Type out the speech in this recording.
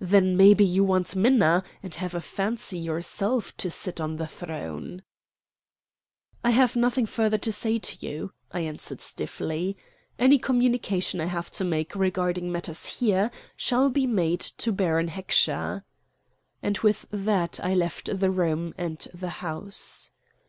"Then maybe you want Minna, and have a fancy yourself to sit on the throne?" "I have nothing further to say to you," I answered stiffly. "Any communication I have to make regarding matters here shall be made to Baron Heckscher." And with that I left the room and the house.